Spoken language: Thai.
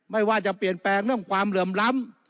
ไม่ว่าจะเปลี่ยนแปลงเรื่องความเหลื่อมล้ำ